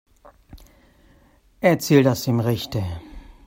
Erzähl das dem Richter.